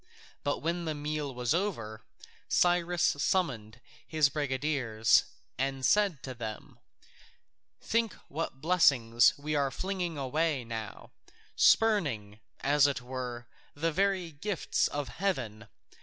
But when the meal was over, Cyrus summoned his brigadiers and said to them: "Think what blessings we are flinging away now, spurning, as it were, the very gifts of heaven!